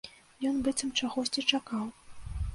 Ён быццам чагосьці чакаў.